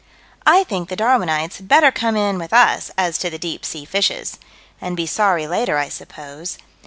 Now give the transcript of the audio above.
I think the Darwinites had better come in with us as to the deep sea fishes and be sorry later, I suppose.